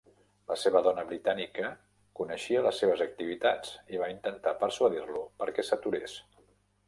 La seva dona britànica coneixia les seves activitats i va intentar persuadir-lo perquè s'aturés.